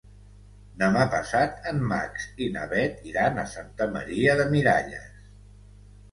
Demà passat en Max i na Bet iran a Santa Maria de Miralles.